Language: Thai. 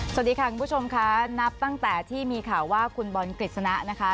สวัสดีค่ะคุณผู้ชมค่ะนับตั้งแต่ที่มีข่าวว่าคุณบอลกฤษณะนะคะ